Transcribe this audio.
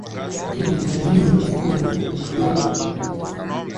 lakini zimenyimbwa zikuwe za kurekodiwa kwa matatizo